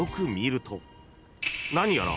［何やら］